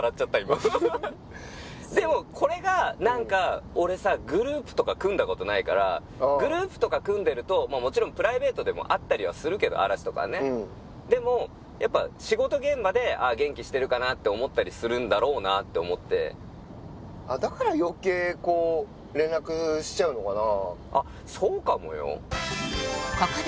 今でもこれが何か俺さグループとか組んだことないからグループとか組んでるともちろんプライベートでも会ったりはするけど嵐とかはねでもやっぱ仕事現場で元気してるかな？って思ったりするんだろうなって思ってああだから余計こう連絡しちゃうのかな？